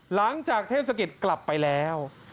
หลังจากเทศกิจกลับไปแล้ว